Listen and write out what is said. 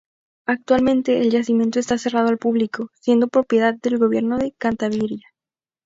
Actualmente el yacimiento está cerrado al público, siendo propiedad del Gobierno de Cantabria.